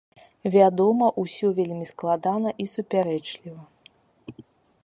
Вядома, усё вельмі складана і супярэчліва.